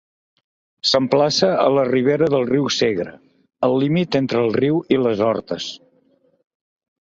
S'emplaça a la ribera del riu Segre, al límit entre el riu i les hortes.